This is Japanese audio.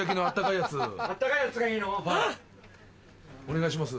お願いします。